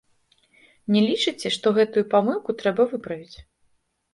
Не лічыце, што гэтую памылку трэба выправіць?